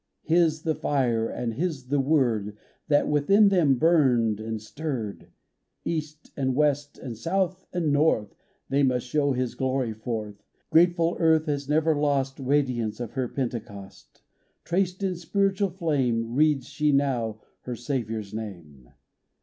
His the fire and His the Word That within them burned and stirred : East and west, and south and north, They must show His glory forth. Grateful Earth has never lost Radiance of her Pentecost : (28) PENTECOST 29 Traced in spiritual flame Reads she now her Saviour's name.